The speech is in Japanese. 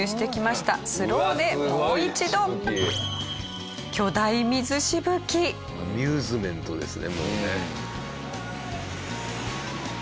スローでもう一度。アミューズメントですねもうね。